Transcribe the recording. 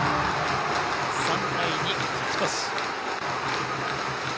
３対２、勝ち越し。